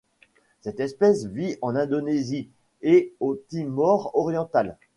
Cette espèce vit en Indonésie et au Timor oriental.